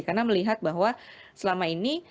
karena melihat bahwa selama ini